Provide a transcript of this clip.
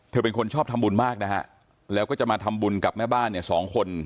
เป็นคนชอบทำบุญมากนะฮะแล้วก็จะมาทำบุญกับแม่บ้านเนี่ยสองคน